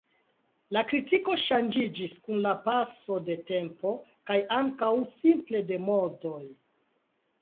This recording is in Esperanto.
La kritiko ŝanĝiĝis kun la paso de tempo kaj ankaŭ simple de modoj.